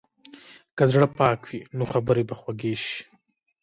که زړه پاک وي، نو خبرې به خوږې شي.